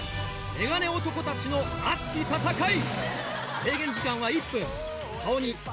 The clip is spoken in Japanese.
メガネ男たちの熱き戦い。